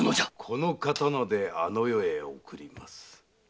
この刀であの世へ送ります。